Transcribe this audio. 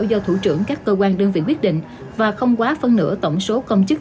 do thủ trưởng các cơ quan đơn vị quyết định và không quá phân nửa tổng số công chức